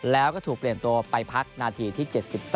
แล้วก็ถูกเปลี่ยนตัวไปพักนาทีที่๗๒